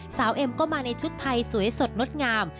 เอ็มก็มาในชุดไทยสวยสดงดงาม